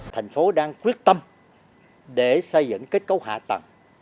thành phố đang quyết tâm để xây dựng kết cấu hạ tầng